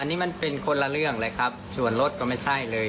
อันนี้มันเป็นคนละเรื่องเลยครับส่วนรถก็ไม่ใช่เลย